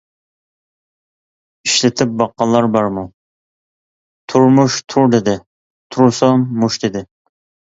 ئىشلىتىپ باققانلار بارمۇ؟ تۇرمۇش «تۇر» دېدى، تۇرسام «مۇش» دېدى.